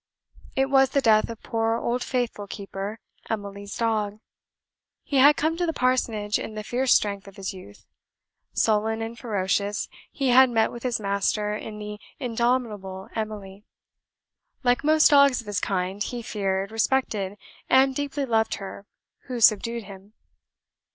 It was the death of poor old faithful Keeper, Emily's dog. He had come to the Parsonage in the fierce strength of his youth. Sullen and ferocious he had met with his master in the indomitable Emily. Like most dogs of his kind, he feared, respected, and deeply loved her who subdued him.